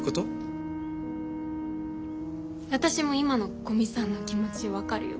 私も今の古見さんの気持ち分かるよ。